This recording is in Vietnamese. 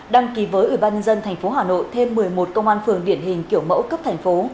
đăng ký với ủy ban nhân dân tp hà nội thêm một mươi một công an phường điển hình kiểu mẫu cấp thành phố